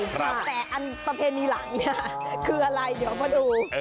แต่อันประเพณีหลังเนี่ยคืออะไรเดี๋ยวมาดู